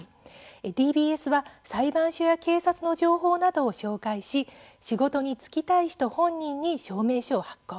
ＤＢＳは裁判所や警察の情報などを照会し仕事に就きたい人本人に証明書を発行。